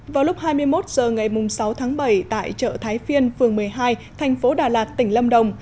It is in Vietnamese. vào lúc hai mươi một h ngày sáu tháng bảy tại chợ thái phiên phường một mươi hai thành phố đà lạt tỉnh lâm đồng